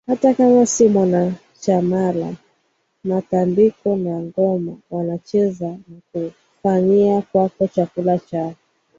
hata kama si mwanachamaIla matambiko na ngoma watacheza na kufanyia kwakoChakula chao